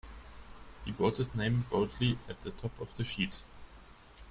He wrote his name boldly at the top of the sheet.